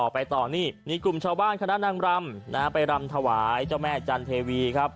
ไปต่อนี่มีกลุ่มชาวบ้านคณะนางรำไปรำถวายเจ้าแม่จันเทวีครับ